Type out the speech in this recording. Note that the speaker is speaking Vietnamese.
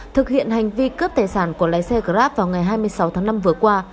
thực hiện hành vi cướp tài sản của lái xe grab vào ngày hai mươi sáu tháng năm vừa qua